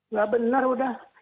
nggak benar udah